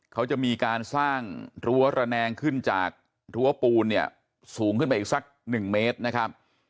เขาจะมีการสร้างรั้วระแนงขึ้นจากรั้วปูนเนี่ยสูงขึ้นไปอีกสักหนึ่งเมตรนะครับ